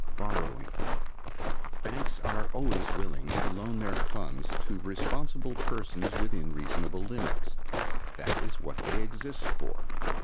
Borrowing. Banks are always willing to loan their funds to responsible persons within reasonable limits. That is what they exist for.